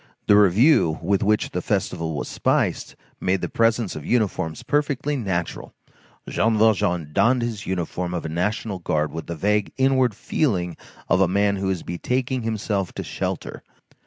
The review with which the festival was spiced made the presence of uniforms perfectly natural; Jean Valjean donned his uniform of a national guard with the vague inward feeling of a man who is betaking himself to shelter.